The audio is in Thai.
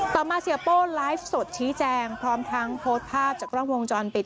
ต่อมาเสียโป้ไลฟ์สดชี้แจงพร้อมทั้งโพสต์ภาพจากกล้องวงจรปิด